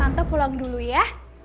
tante pulang dulu ya